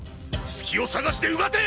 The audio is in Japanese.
隙を探してうがて！